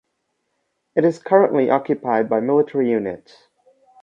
It is currently occupied by military units.